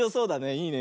いいね。